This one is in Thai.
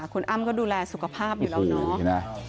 คุณอ้ำก็ดูแลสุขภาพอยู่แล้วเนาะ